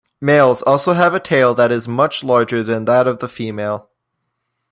Males also have a tail that is much larger than that of the female.